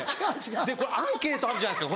でアンケートあるじゃないですか